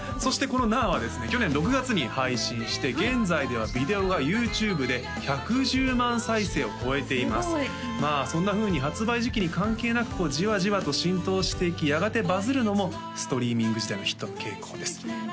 この「なぁ」はですね去年６月に配信して現在ではビデオがＹｏｕＴｕｂｅで１１０万再生を超えていますすごいまあそんなふうに発売時期に関係なくこうじわじわと浸透していきやがてバズるのもストリーミング時代のヒットの傾向ですＹＯＡＫＥ